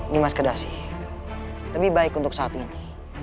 dimas kedasi lebih baik untuk saat ini